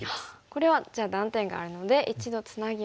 これはじゃあ断点があるので一度つなぎます。